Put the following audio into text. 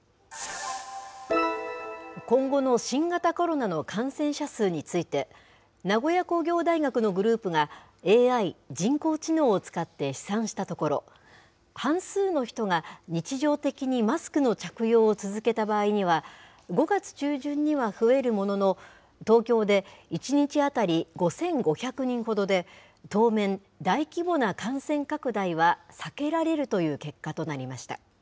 今後の新型コロナの感染者数について、名古屋工業大学のグループが、ＡＩ・人工知能を使って試算したところ、半数の人が日常的にマスクの着用を続けた場合には、５月中旬には増えるものの、東京で１日当たり５５００人ほどで、当面、大規模な感染拡大は避けられるという結果となりました。